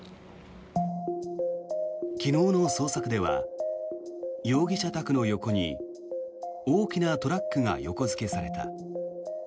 昨日の捜索では容疑者宅の横に大きなトラックが横付けされた。